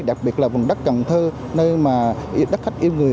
đặc biệt là vùng đất cần thơ nơi mà đất khách yêu người